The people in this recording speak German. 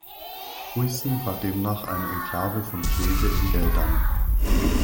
Huissen war demnach eine Enklave von Kleve in Geldern.